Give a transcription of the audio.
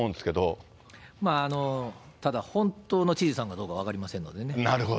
ただ、本当の知事さんかどうか分かりませんのでね。